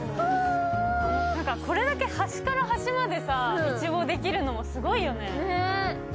これだけ端から端まで一望できるのもすごいよね。